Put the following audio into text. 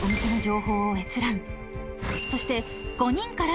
［そして］